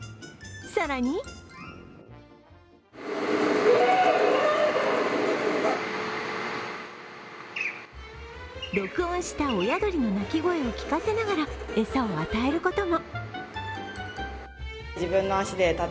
更に録音した親鳥の声を聴かせながら餌を与えることも。